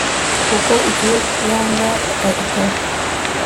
kuko icyo yanga atagikora